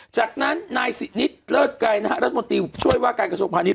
จากนั้นนายสินิทเลิศไกรนะฮะรัฐมนตรีช่วยว่ากันกับสมภัณฑ์นิต